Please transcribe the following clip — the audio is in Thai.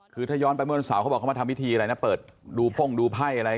คือถ้าย้อนไปเมื่อวันเสาร์เขาบอกเขามาทำพิธีอะไรนะเปิดดูพ่งดูไพ่อะไร